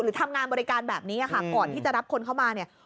ทำงานบริการแบบนี้ค่ะก่อนที่จะรับคนเข้ามาเนี่ย